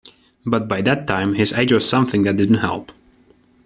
But, by that time, his age was something that didn't help.